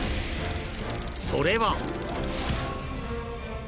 ［それは］